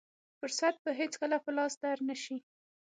فرصت به هېڅکله په لاس در نه شي.